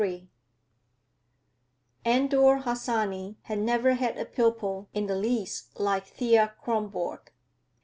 III Andor Harsanyi had never had a pupil in the least like Thea Kronborg.